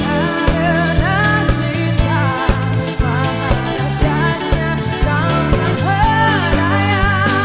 adalah cinta maafkan syaknya sama adanya